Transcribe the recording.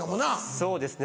そうですね